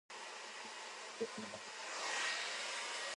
欠錢怨債主，不孝怨父母